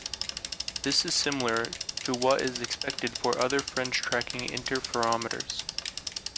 This is similar to what is expected for other fringe tracking interferometers.